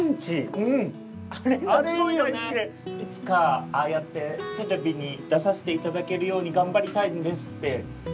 「いつかああやってテレビに出させていただけるように頑張りたいんです」って言いながら。